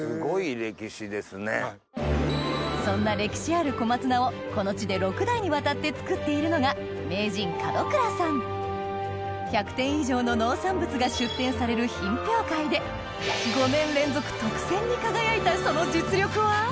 そんな歴史ある小松菜をこの地で６代にわたって作っているのが名人門倉さん１００点以上の農産物が出展されるに輝いたその実力は？